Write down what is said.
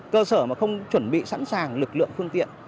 cơ sở mà không chuẩn bị sẵn sàng lực lượng phương tiện